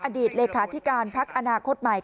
อดีตเลขาธิการพักอนาคตใหม่